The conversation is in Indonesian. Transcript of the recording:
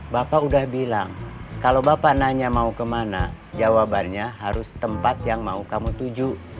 bapak udah bilang kalau bapak nanya mau kemana jawabannya harus tempat yang mau kamu tuju